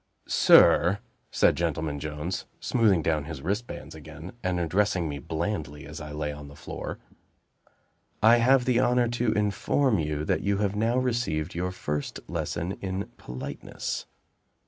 "Sir," said Gentleman Jones, smoothing down his wristbands again, and addressing me blandly as I lay on the floor, "I have the honor to inform you that you have now received your first lesson in politeness.